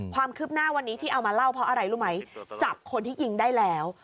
ความคืบหน้าวันนี้ที่เอามาเล่าเพราะอะไรรู้ไหมจับคนที่ยิงได้แล้ว